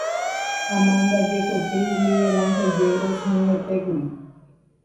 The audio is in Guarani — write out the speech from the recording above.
Amandajekoty “Miguel Angel Yegros” henyhẽtékuri.